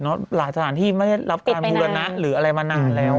หลายสถานที่ไม่ได้รับการบูรณะหรืออะไรมานานแล้ว